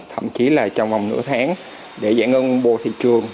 thậm chí là trong vòng nửa tháng để giải ngân bộ thị trường